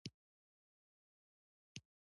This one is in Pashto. د یو او بل نیم بیتي ترمنځ دوه سېلابه زیات او کم.